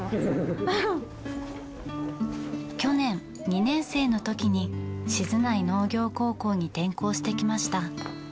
去年２年生のときに静内農業高校に転校してきました。